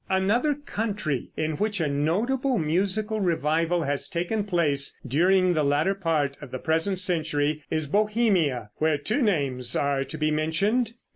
Another country in which a notable musical revival has taken place during the latter part of the present century is Bohemia, where two names are to be mentioned.